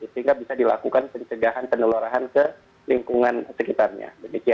sehingga bisa dilakukan pencegahan penularan ke lingkungan sekitarnya